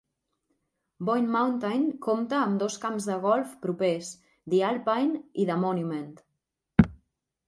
Boyne Mountain compta amb dos camps de golf propers: The Alpine i The Monument.